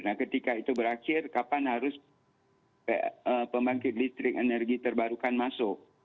nah ketika itu berakhir kapan harus pembangkit listrik energi terbarukan masuk